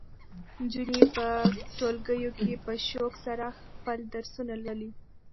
نجونې په ټولګیو کې په شوق سره خپل درسونه لولي.